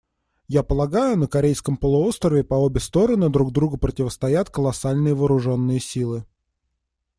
Я полагаю, на Корейском полуострове по обе стороны друг другу противостоят колоссальные вооруженные силы.